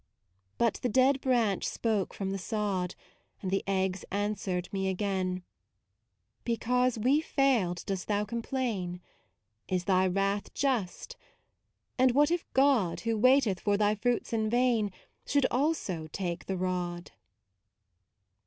But the dead branch spoke from the sod, And the eggs answered me again: Because we failed dost thou complain ? Is thy wrath just ? And what if God, Who waiteth for thy fruits in vain, Should also take the rod?